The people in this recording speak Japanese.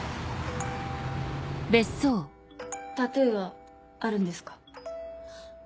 タトゥーはあるんですか？